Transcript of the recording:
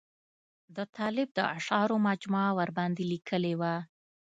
د طالب د اشعارو مجموعه ورباندې لیکلې وه.